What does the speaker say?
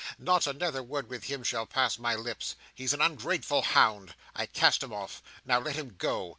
"Not another word with him shall pass my lips. He's an ungrateful hound. I cast him off. Now let him go!